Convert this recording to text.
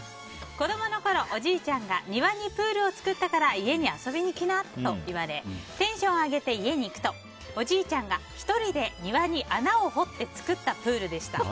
子供のころ、おじいちゃんが庭にプールを作ったから家に遊びに来なと言われテンション上げて家に行くとおじいちゃんが１人で庭に穴を掘って作ったプールでした。